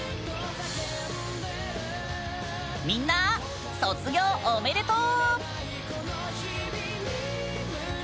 みんな、卒業おめでとう！